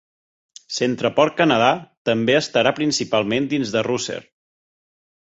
CentrePort Canada també estarà principalment dins de Rosser.